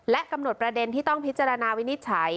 กำหนดประเด็นที่ต้องพิจารณาวินิจฉัย